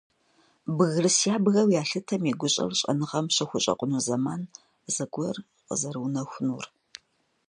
Бгырыс ябгэу ялъытэм и гущӏэр щӏэныгъэм щыхущӏэкъуну зэман зэгуэр къызэрыунэхунур.